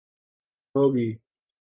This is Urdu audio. ہو گی